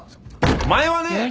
お前はね！